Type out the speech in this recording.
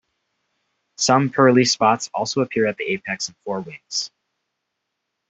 Some pearly spots also appear at the apex of the forewings.